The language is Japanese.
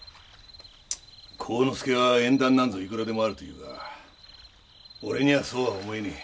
晃之助は縁談なんぞいくらでもあると言うが俺にはそうは思えねえ。